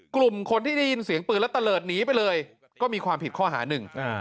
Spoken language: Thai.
กลุ่มคนที่ได้ยินเสียงปืนแล้วตะเลิศหนีไปเลยก็มีความผิดข้อหาหนึ่ง